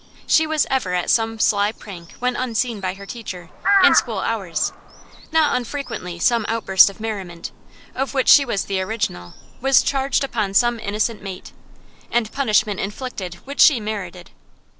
She was ever at some sly prank when unseen by her teacher, in school hours; not unfrequently some outburst of merriment, of which she was the original, was charged upon some innocent mate, and punishment inflicted which she merited.